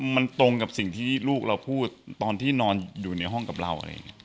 มันตรงกับสิ่งที่ลูกเราพูดตอนหนอนอยู่ในห้องกับเรา